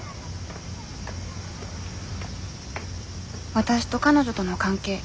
わたしと彼女との関係。